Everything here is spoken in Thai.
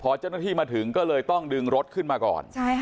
พอเจ้าหน้าที่มาถึงก็เลยต้องดึงรถขึ้นมาก่อน